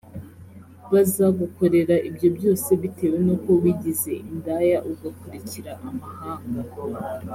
bazagukorera ibyo byose bitewe n uko wigize indaya ugakurikira amahanga